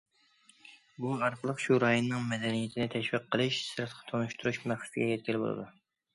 بۇ ئارقىلىق شۇ رايوننىڭ مەدەنىيىتىنى تەشۋىق قىلىش، سىرتقا تونۇشتۇرۇش مەقسىتىگە يەتكىلى بولىدۇ.